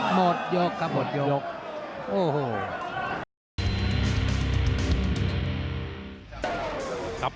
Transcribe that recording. หมดยกครับ